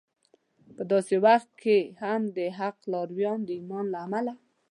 په داسې وخت کې هم د حق لارویان د ایمان له امله